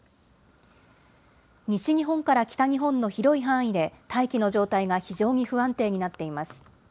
西日本から北日本の広い範囲で大気の状態が非常に不安定になっています。